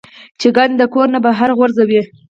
چې ګند د کور نه بهر غورځوه -